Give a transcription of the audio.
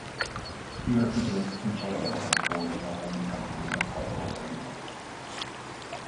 He represents Timchenko on the board of the holding company of Hartwall Arena.